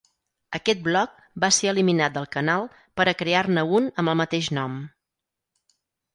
Aquest bloc va ser eliminat del canal per a crear-ne un amb el mateix nom.